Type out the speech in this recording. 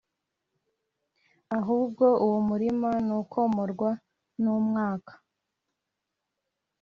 ahubwo uwo murima nukom rwa n umwaka